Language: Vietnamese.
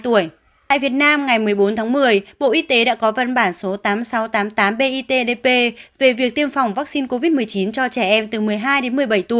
tại việt nam ngày một mươi bốn tháng một mươi bộ y tế đã có văn bản số tám nghìn sáu trăm tám mươi tám bitdp về việc tiêm phòng vaccine covid một mươi chín cho trẻ em từ một mươi hai đến một mươi bảy tuổi